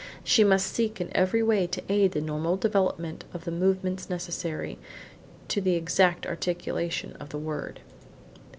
She must seek in every way to aid the normal development of the movements necessary to the exact articulation of the word.